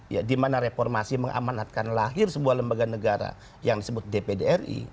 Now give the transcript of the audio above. ya dimana reformasi mengamanatkan lahir sebuah lembaga negara yang disebut dpdri